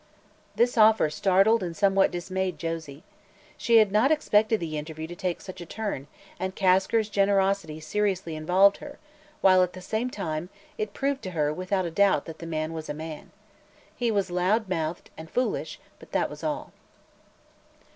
This offer startled and somewhat dismayed Josie. She had not expected the interview to take such a turn, and Kasker's generosity seriously involved her, while, at the same time, it proved to her without a doubt that the man was a man. He was loud mouthed and foolish; that was all.